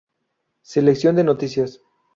Selección de noticias